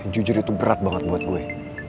jujur itu berat banget buat gue